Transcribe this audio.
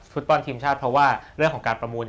ฟุตบอลทีมชาติเพราะว่าเรื่องของการประมูล